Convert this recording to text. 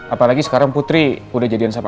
apalagi sekarang putri udah jadian siapa